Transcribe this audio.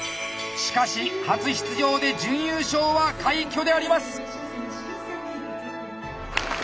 しかし初出場で準優勝は快挙であります。